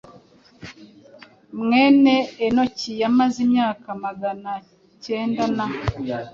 mwene Henoki yamaze imyaka magana kenda na